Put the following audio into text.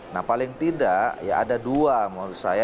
nah paling tidak ya ada dua menurut saya